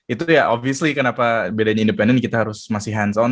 itu ya officially kenapa bedanya independen kita harus masih hands on